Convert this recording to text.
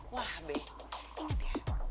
wah bay inget ya